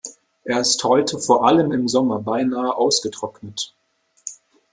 Er ist heute vor allem im Sommer beinahe ausgetrocknet.